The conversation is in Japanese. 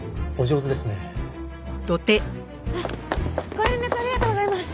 ご連絡ありがとうございます。